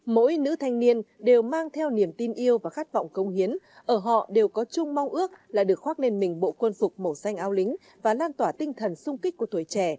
mỗi nữ thanh niên đều mang theo niềm tin yêu và khát vọng cống hiến ở họ đều có chung mong ước là được khoác lên mình bộ quân phục màu xanh ao lính và lan tỏa tinh thần sung kích của tuổi trẻ